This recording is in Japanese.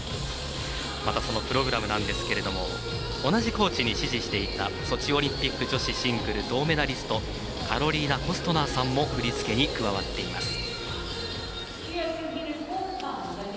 またプログラムなんですが同じコーチに師事していたソチオリンピック女子シングル銅メダリスト、カロリーナさんも振り付けに加わっています。